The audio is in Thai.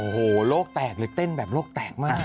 โอ้โหโลกแตกเลยเต้นแบบโลกแตกมาก